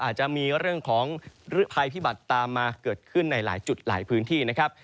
อาจจะมีเรื่องของฤภัยพิบัติตามมาเกิดขึ้นในหลายจุดหลายพื้นที่นะครับ